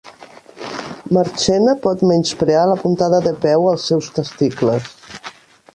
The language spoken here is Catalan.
Marchena pot menysprear la puntada de peu als seus testicles